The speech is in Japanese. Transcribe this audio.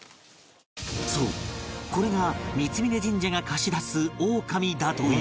そうこれが三峯神社が貸し出すオオカミだという